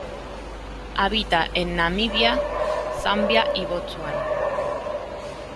Habita en Namibia, Zambia y Botsuana.